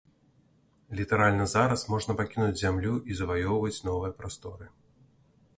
Літаральна зараз можна пакінуць зямлю і заваёўваць новыя прасторы.